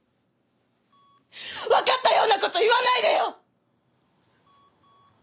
わかったような事言わないでよ！